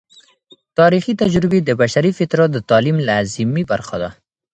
تاریخي تجربې د بشري فطرت د تعلیم لازمي برخه ده.